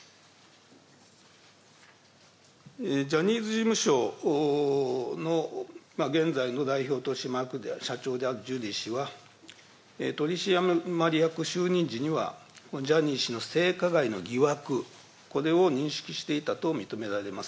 ジャニーズ事務所の現在の代表取締役社長であるジュリー氏は、取締役就任時には、ジャニー氏の性加害の疑惑、これを認識していたと認められます。